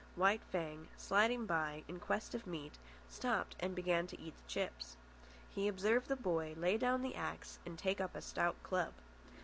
White Fang, sliding by in quest of meat, stopped and began to eat the chips. He observed the boy lay down the axe and take up a stout club.